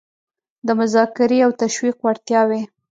د مذاکرې او تشویق وړتیاوې